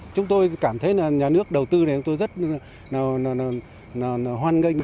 chúng tôi cảm thấy là nhà nước đầu tư này chúng tôi rất hoan nghênh